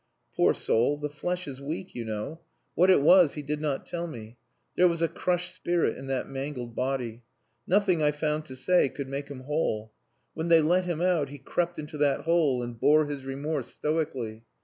Poor soul, the flesh is weak, you know. What it was he did not tell me. There was a crushed spirit in that mangled body. Nothing I found to say could make him whole. When they let him out, he crept into that hole, and bore his remorse stoically.